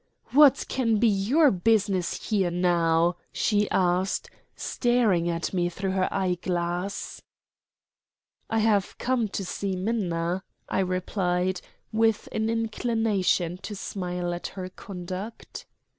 "What can be your business here now?" she asked, staring at me through her eyeglass. "I have come to see Minna," I replied, with an inclination to smile at her conduct.